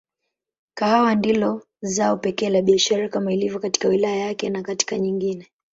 Kahawa ndilo zao pekee la biashara kama ilivyo katika wilaya yake na kata nyingine.